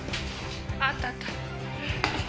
あっあったあった